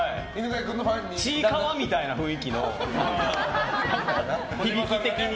ちいかわみたいな雰囲気の響き的に。